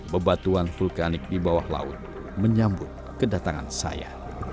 bebatuan vulkanik di bawah laut menyambut kedatangan saya